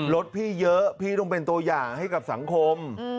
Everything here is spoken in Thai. รถพี่เยอะพี่ต้องเป็นตัวอย่างให้กับสังคม